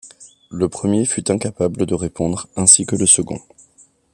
Le premier fut incapable de répondre ainsi que le second.